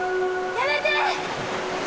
やめて！